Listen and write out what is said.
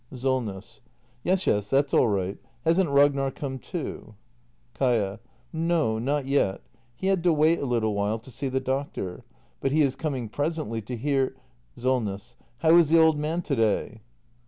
SOLNESS. Yes, yes, that's all right. Hasn't Ragnar come too? Kaia. No, not yet. He had to wait a little while to see the doctor. But he is coming presently to hear SOLNESS. How is the old man to day